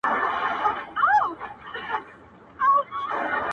• هره تېږه من نه ده -